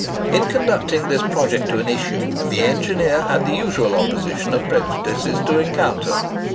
In conducting this project to an issue, the engineer had the usual opposition and prejudices to encounter.